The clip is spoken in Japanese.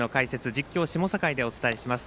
実況、下境でお伝えします。